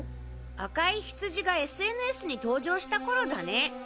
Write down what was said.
赤いヒツジがＳＮＳに登場した頃だね。